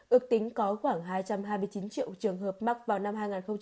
ước tính có khoảng hai trăm hai mươi chín triệu trường hợp mắc vào năm hai nghìn hai mươi